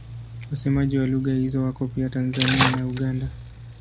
Wasemaji wa lugha hizo wako pia Tanzania na Uganda.